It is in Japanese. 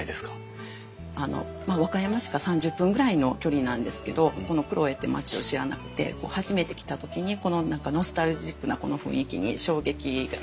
和歌山市から３０分ぐらいの距離なんですけどこの黒江って町を知らなくて初めて来た時にこの何かノスタルジックなこの雰囲気に衝撃を感じて。